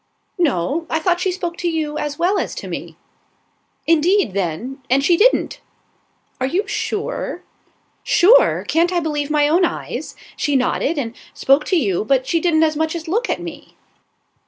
"No. I thought she spoke to you as well as to me." "Indeed, then, and she didn't." "Are you sure?" "Sure? Can't I believe my own eyes? She nodded and spoke to you, but she didn't as much as look at me."